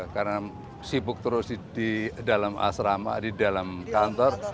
karena sibuk terus di dalam asrama di dalam kantor